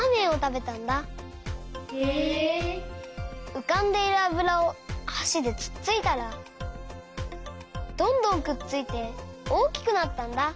うかんでいるあぶらをはしでつっついたらどんどんくっついておおきくなったんだ。